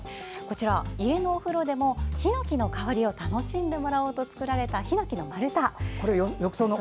家のお風呂でも、ひのきの香りを楽しんでもらおうと作られたひのきの丸太。